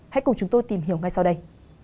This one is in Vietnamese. hãy cùng chúng tôi tìm hiểu ngay sau đây